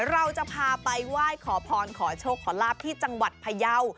เราจะพาไปไหว้ขอพรขอโชคขอลาบที่จังหวัดพยาว